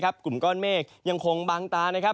กลุ่มเก้าเมฆยังคงบางตา